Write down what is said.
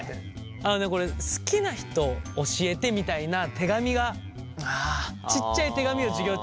あのねこれ「好きな人教えて」みたいな手紙がちっちゃい手紙を授業中。